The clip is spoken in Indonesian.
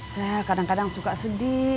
saya kadang kadang suka sedih